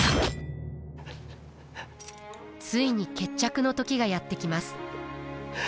ついに決着の時がやって来ます。